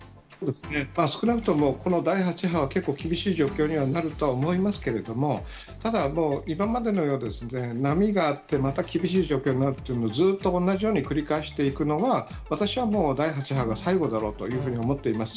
少なくともこの第８波は結構、厳しい状況にはなると思いますけれども、ただ、もう今までのように波があって、また厳しい状況になるっていう、ずっと同じように繰り返していくのは、私はもう第８波が最後だろうというふうに思っています。